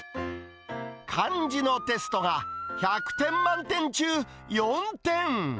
漢字のテストが１００点満点中４点。